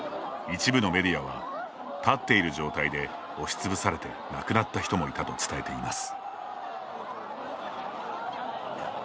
一部のメディアは「立っている状態で押しつぶされて亡くなった人もいた」と伝えています。